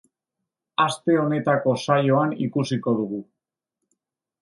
Aste honetako saioan ikusiko dugu.